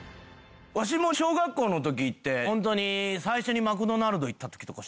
わしも小学校の時ってホントに最初にマクドナルド行った時とか衝撃やった。